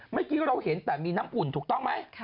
เมื่อกี้เราเห็นแต่มีน้ำอุ่นน้ำอุ่นต้องมั้ย